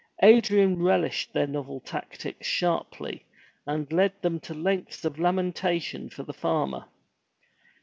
Adrian relished their novel tactics sharply and led them to lengths of lamentation for the farmer.